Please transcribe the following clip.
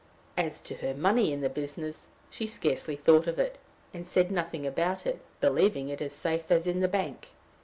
As to her money in the business, she scarcely thought of it, and said nothing about it, believing it as safe as in the bank.